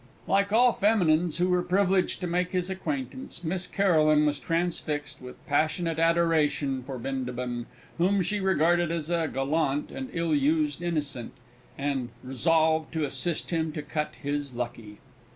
Like all feminines who were privileged to make his acquaintance, Miss Caroline was transfixed with passionate adoration for Bindabun, whom she regarded as a gallant and illused innocent, and resolved to assist him to cut his lucky.